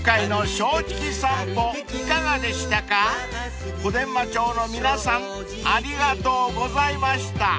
［小伝馬町の皆さんありがとうございました］